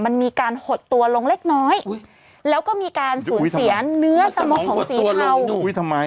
มันมีการหดตัวลงเล็กน้อยแล้วก็มีการสูญเสียเนื้อสมองของสีเทา